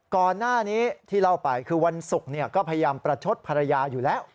ก่อนหน้านี้ที่เล่าไปคือวันศุกร์ก็พยายามประชดภรรยาอยู่แล้ว